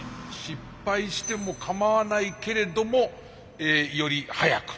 失敗してもかまわないけれどもより速くっていうね